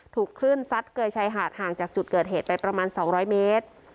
ถูกคลื่นซัดเกยชายหาดห่างจากจุดเกิดเหตุไปประมาณ๒๐๐เมตร